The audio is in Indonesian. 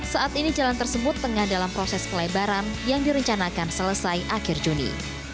saat ini jalan tersebut tengah dalam proses pelebaran yang direncanakan selesai akhir juni